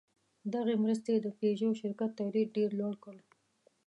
دغې مرستې د پيژو شرکت تولید ډېر لوړ کړ.